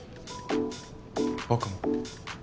僕も。